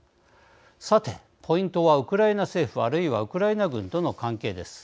さて、ポイントはウクライナ政府あるいはウクライナ軍との関係です。